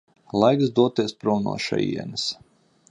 Laiks doties prom no šejienes.